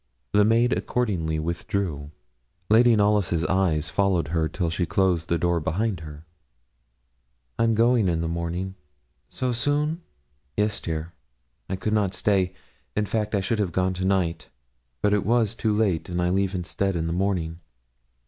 The maid accordingly withdrew. Lady Knollys' eyes followed her till she closed the door behind her. 'I'm going in the morning.' 'So soon!' 'Yes, dear; I could not stay; in fact, I should have gone to night, but it was too late, and I leave instead in the morning.'